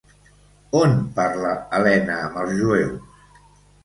On parla Helena amb els jueus?